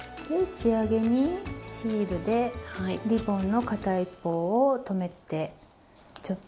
仕上げにシールでリボンの片一方を留めてちょっと。